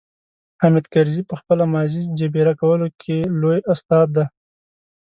حامد کرزي په خپله ماضي جبيره کولو کې لوی استاد دی.